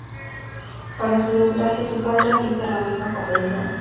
Para su desgracia, su padre asiste a la misma convención.